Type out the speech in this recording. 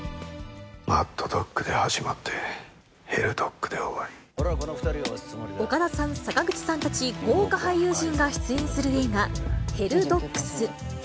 バッドドックで始まって、岡田さん、坂口さんたち豪華俳優陣が出演する映画、ヘルドッグス。